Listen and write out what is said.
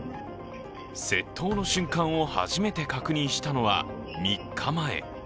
窃盗の瞬間を初めて確認したのは３日前。